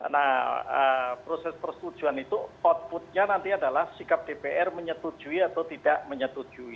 nah proses persetujuan itu outputnya nanti adalah sikap dpr menyetujui atau tidak menyetujui